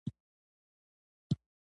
کرنه د بزګرانو د تولیداتو ارزښت لوړوي.